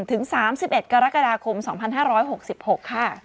ถึง๓๑กรกฎาคม๒๕๖๖ค่ะ